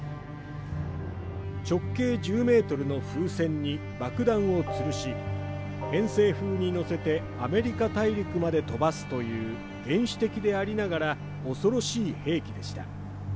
直径１０ｍの風船に爆弾をつるし、偏西風に乗せてアメリカ大陸まで飛ばすという原始的でありながら恐ろしい兵器でした。